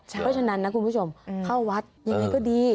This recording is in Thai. เพราะฉะนั้นนะคุณผู้ชมเข้าวัดยังไงก็ดี